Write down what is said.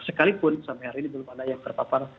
sekalipun sampai hari ini belum ada yang terpapar